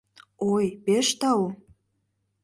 — Ой, пеш тау!